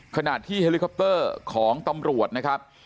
ขณะที่เฮลิคอปเตอร์ของตำรวจนะครับ